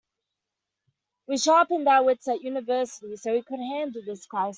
We sharpened our wits at university so we could handle this crisis.